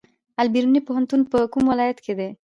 البیروني پوهنتون په کوم ولایت کې دی؟